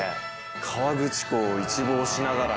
河口湖を一望しながら。